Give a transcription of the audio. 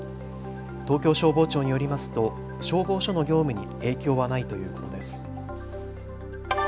東京消防庁によりますと消防署の業務に影響はないということです。